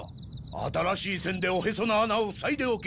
新しい栓でおへその穴を塞いでおけ。